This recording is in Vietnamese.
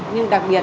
nhưng đặc biệt